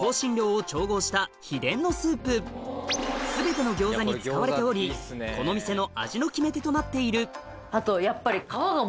味の決め手はに使われておりこの店の味の決め手となっているあとやっぱり。